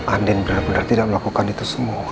andin benar benar tidak melakukan itu semua